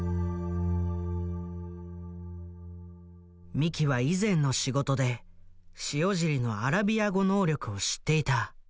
三木は以前の仕事で塩尻のアラビア語能力を知っていた。